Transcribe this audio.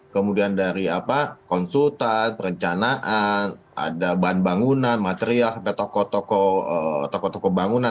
kemudian dari konsultan perencanaan ada bahan bangunan material sampai toko toko toko bangunan